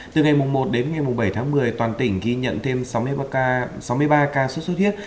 từ ngày một đến ngày bảy tháng một mươi toàn tỉnh ghi nhận thêm sáu mươi ba ca suốt suốt huyết